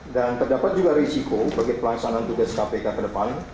dan terdapat juga risiko bagi pelaksana tugas kpk ke depan